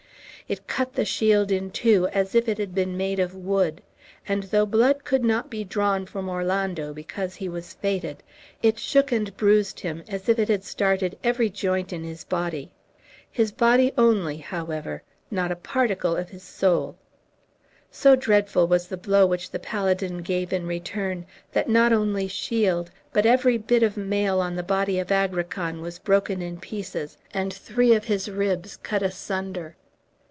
It cut the shield in two as if it had been made of wood, and, though blood could not be drawn from Orlando, because he was fated, it shook and bruised him as if it had started every joint in his body. His body only, however, not a particle of his soul. So dreadful was the blow which the paladin gave in return, that not only shield, but every bit of mail on the body of Agrican was broken in pieces, and three of his ribs cut asunder.